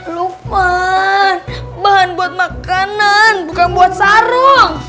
lupa bahan buat makanan bukan buat sarung